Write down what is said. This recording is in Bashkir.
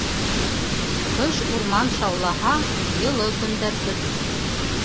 Ҡыш урман шаулаһа, йылы көндәр көт.